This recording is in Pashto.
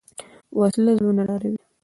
وسله زړونه ډاروي